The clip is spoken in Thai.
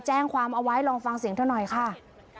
แจ้งความเอาไว้ลองฟังเสียงเธอหน่อยค่ะ